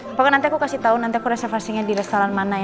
apakah nanti aku kasih tahu nanti aku reservasinya di restoran mana ya